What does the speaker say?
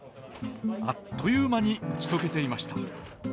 あっという間に打ち解けていました。